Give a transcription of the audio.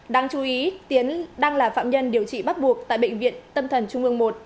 đáng chú ý tiến đang là phạm nhân điều trị bắt buộc tại bệnh viện tâm thần trung ương một